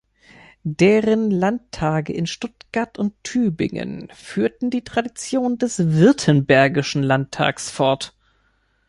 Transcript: Deren Landtage in Stuttgart und Tübingen führten die Tradition des Württembergischen Landtags fort.